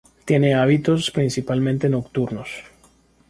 Tiene hábitos principalmente nocturnos.